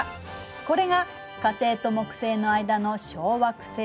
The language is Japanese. これが火星と木星の間の小惑星帯。